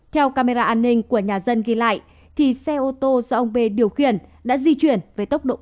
theo camera an ninh của nhà dân ghi lại xe ô tô do ông b điều khiển đã di chuyển với tốc độ cao